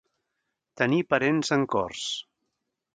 Tenir parents en Corts.